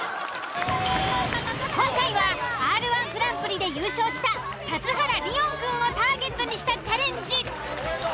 今回はＲ−１グランプリで優勝した田津原理音くんをターゲットにしたチャレンジ。